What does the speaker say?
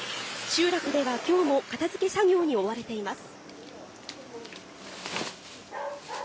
集落では今日も片付け作業に追われています。